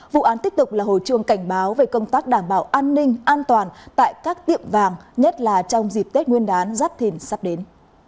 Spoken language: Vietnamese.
vụ án tiếp tục là hồi chuông cảnh báo về công tác đảm bảo an ninh an toàn tại các tiệm vàng nhất là trong dịp tết nguyên đán giáp thìn sắp đến